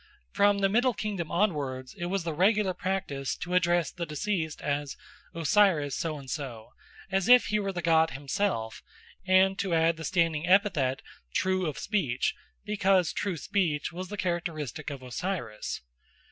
From the Middle Kingdom onwards it was the regular practice to address the deceased as "Osiris So and So," as if he were the god himself, and to add the standing epithet "true of speech," because true speech was characteristic of Osiris.